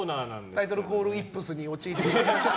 タイトルコールイップスに陥ってしまいました。